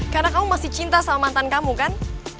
karena kamu masih cinta sama mantan kamu kan